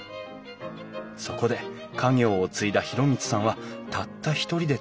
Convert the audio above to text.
そこで家業を継いだ裕光さんはたった一人で取り組むことにした。